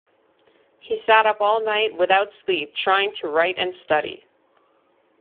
He sat up all night, without sleep, trying to write and study